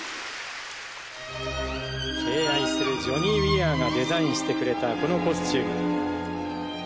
敬愛するジョニー・ウィアーがデザインしてくれたこのコスチューム。